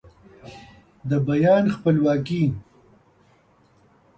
د بیان خپلواکي